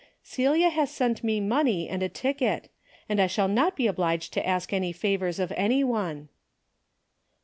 Celia has sent me money and a ticket, — and I shall not be obliged to ask any favors of any one."